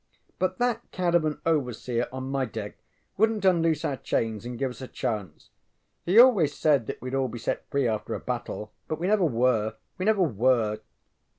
But that cad of an overseer on my deck wouldnŌĆÖt unloose our chains and give us a chance. He always said that weŌĆÖd all be set free after a battle, but we never were; We never were.